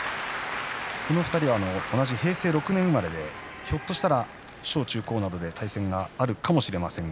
この２人は同じ平成６年生まれでひょっとしたら小・中・高で対戦があったかもしれません。